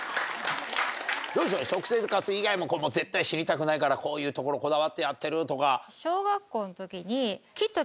食生活以外も絶対死にたくないからこういうところこだわってやってるとか。